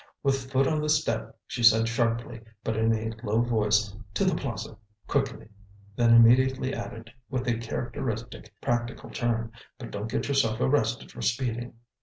With foot on the step she said sharply, but in a low voice, "To the Plaza quickly," then immediately added, with a characteristic practical turn: "But don't get yourself arrested for speeding."